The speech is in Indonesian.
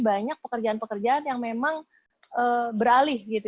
banyak pekerjaan pekerjaan yang memang beralih gitu